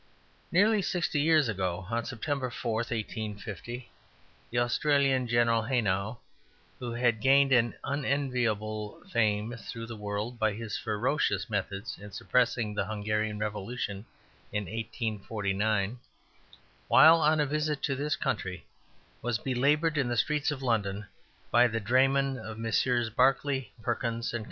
"Nearly sixty years ago on 4 September, 1850 the Austrian General Haynau, who had gained an unenviable fame throughout the world by his ferocious methods in suppressing the Hungarian revolution in 1849, while on a visit to this country, was belaboured in the streets of London by the draymen of Messrs. Barclay, Perkins and Co.